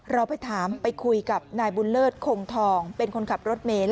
เราไปถามไปคุยกับนายบุญเลิศคงทองเป็นคนขับรถเมน